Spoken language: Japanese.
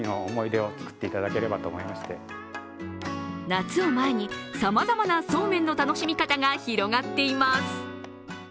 夏を前に、さまざまなそうめんの楽しみ方が広がっています。